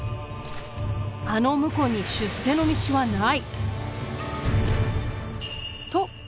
あの婿に出世の道はない！